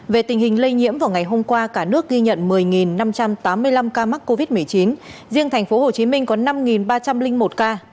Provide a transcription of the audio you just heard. về tình hình lây nhiễm vào ngày hôm qua cả nước ghi nhận một mươi năm trăm tám mươi năm ca mắc covid một mươi chín riêng thành phố hồ chí minh có năm ba trăm linh một ca